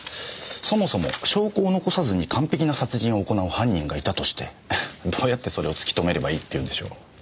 そもそも証拠を残さずに完璧な殺人を行う犯人がいたとしてどうやってそれを突きとめればいいっていうんでしょう。